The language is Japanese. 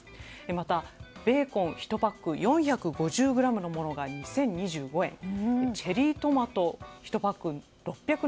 また、ベーコン１パック４５０ｇのものが２０２５円やチェリートマトも１パック６７５円。